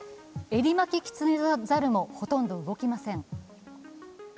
エリマキキツネザルもほとんど動きません。